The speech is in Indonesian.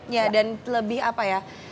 ya dan lebih apa ya